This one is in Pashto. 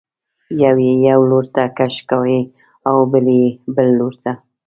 یو یې یو لورته کش کوي او بل یې بل لورته.